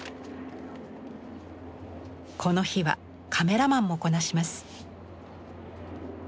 この日はカメラマンもこなします。